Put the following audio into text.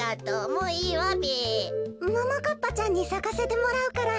ももかっぱちゃんにさかせてもらうから。